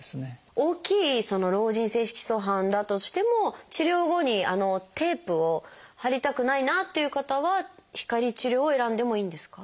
大きいその老人性色素斑だとしても治療後にテープを貼りたくないなっていう方は光治療を選んでもいいんですか？